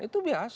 itu biasa begitu